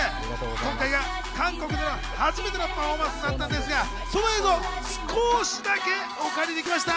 今回が韓国での初めてのパフォーマンスだったんですが、その映像を少しだけお借りできました。